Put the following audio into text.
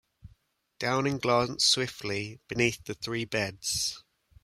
Downing glanced swiftly beneath the three beds.